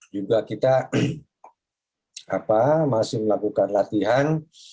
juga kita masih melakukan latihan